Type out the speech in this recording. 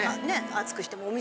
熱くしても。